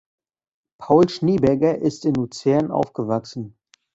Paul Schneeberger ist in Luzern aufgewachsen.